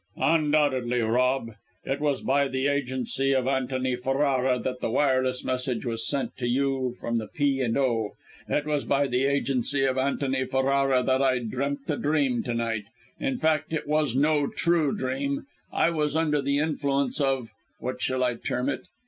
"Undoubtedly, Rob! it was by the agency of Antony Ferrara that the wireless message was sent to you from the P. and O. It was by the agency of Antony Ferrara that I dreamt a dream to night. In fact it was no true dream; I was under the influence of what shall I term it?